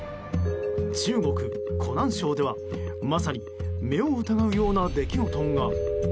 中国・湖南省ではまさに目を疑うような出来事が。